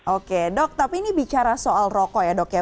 oke dok tapi ini bicara soal rokok ya dok ya